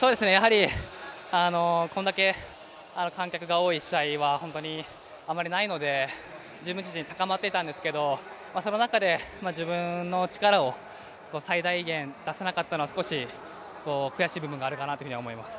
やはりこれだけ観客が多い試合はあまりないので自分自身、高まっていたんですけどその中で自分の力を最大限出せなかったのは少し悔しい部分があるかなというふうには思います。